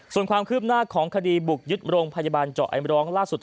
ส่วนความคืบหน้าของคดีบุกยึดโรงพยาบาลเจาะไอมร้องล่าสุด